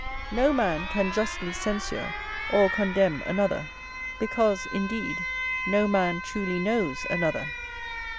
No man can justly censure or condemn another; because, indeed, no man truly knows another.